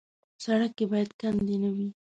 سړک کې باید کندې نه وي.